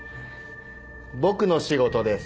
僕の仕事です。